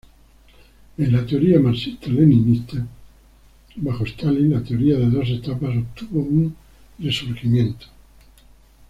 En la teoría marxista-leninsta bajo Stalin la teoría de dos etapas obtuvo un resurgimiento.